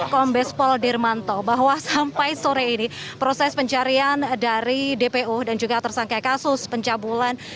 kombes pol dirmanto bahwa sampai sore ini proses pencarian dari dpo dan juga tersangka kasus pencabulan